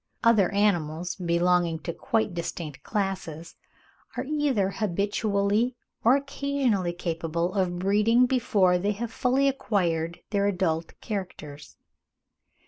(39. Other animals, belonging to quite distinct classes, are either habitually or occasionally capable of breeding before they have fully acquired their adult characters.